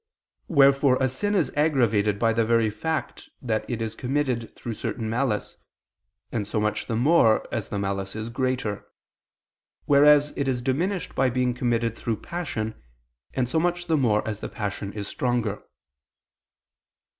Wherefore a sin is aggravated by the very fact that it is committed through certain malice, and so much the more, as the malice is greater; whereas it is diminished by being committed through passion, and so much the more, as the passion is stronger.